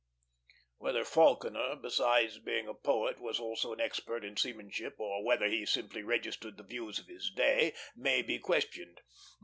Whether Falconer, besides being a poet, was also an expert in seamanship, or whether he simply registered the views of his day, may be questioned.